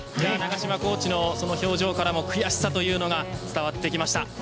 長島コーチの表情からも悔しさというのが伝わってきました。